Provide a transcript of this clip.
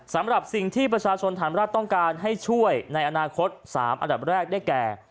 สำหรับสิ่งที่ประชาชนฐานรัฐต้องการให้ช่วยในอนาคต๓อันดับแรกได้แก่